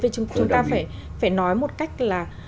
chúng ta phải nói một cách là